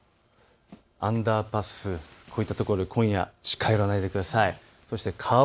アンダーパス、こういったところ今夜、近寄らないでください。